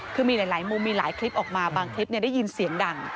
คือมีหลายมุมมีหลายคลิปออกมาบางคลิปได้ยินเสียงดัง